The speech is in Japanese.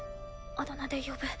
あだ名で呼ぶ。